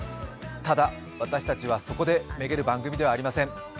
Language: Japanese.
ただ、私たちはそこでめげる番組ではありません。